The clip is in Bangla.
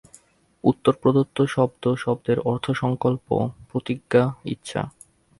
উত্তরপ্রদত্ত শব্দ শব্দের অর্থসংকল্প প্রতিজ্ঞা, ইচ্ছা।